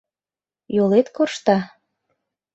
— Йолет коршта?